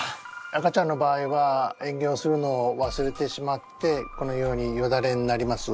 赤ちゃんの場合はえん下をするのをわすれてしまってこのようによだれになります。